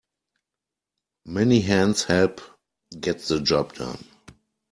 Many hands help get the job done.